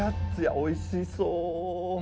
おいしそう。